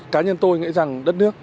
cá nhân tôi nghĩ rằng đất nước